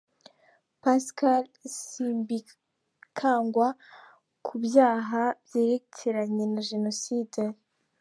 Pascal Simbikangwa ku byaha byerekeranye na Jenoside.